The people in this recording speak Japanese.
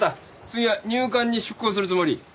次は入管に出向するつもり？